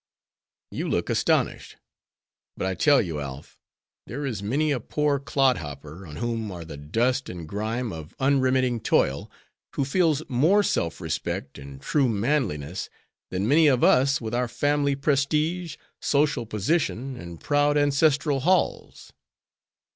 You look astonished; but I tell you, Alf, there is many a poor clod hopper, on whom are the dust and grime of unremitting toil, who feels more self respect and true manliness than many of us with our family prestige, social position, and proud ancestral halls.